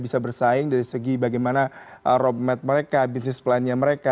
bisa bersaing dari segi bagaimana roadmap mereka bisnis plannya mereka